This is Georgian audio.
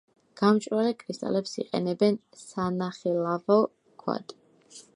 გამჭვირვალე კრისტალებს იყენებენ სანახელავო ქვად.